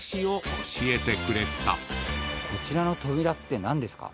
こちらの扉ってなんですか？